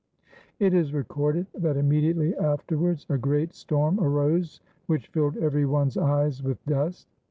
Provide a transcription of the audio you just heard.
It is recorded that immediately afterwards a great storm arose which filled every one's eyes with dust.